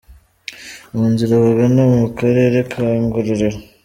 Mu nzira bagana mu karere ka Ngororero.